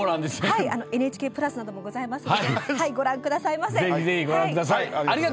ＮＨＫプラスなどもございますので、ご覧ください。